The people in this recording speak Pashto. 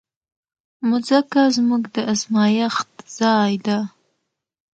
مځکه زموږ د ازمېښت ځای ده.